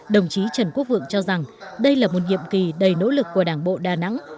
đồng chí trần quốc vượng cho rằng đây là một nhiệm kỳ đầy nỗ lực của đảng bộ đà nẵng